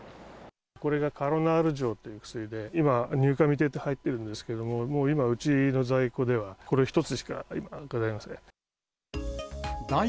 これがカロナール錠という薬で今、入荷未定と貼っているんですけれども、もう今、うちの在庫では、これ１つしか今、ございません。